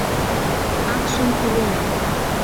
Акшым тӱлена.